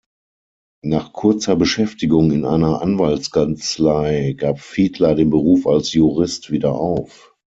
Nach kurzer Beschäftigung in einer Anwaltskanzlei gab Fiedler den Beruf als Jurist wieder auf.